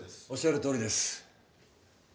・おっしゃるとおりです。